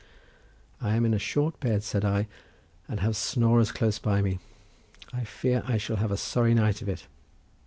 "I am in a short bed," said I, "and have snorers close by me; I fear I shall have a sorry night of it."